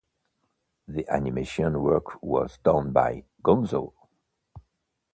The animation work was done by Gonzo.